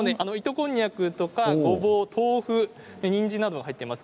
こんにゃくごぼう、豆腐、にんじんが入っています。